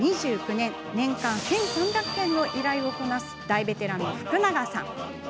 年間１３００件の依頼をこなす大ベテランの福永さん。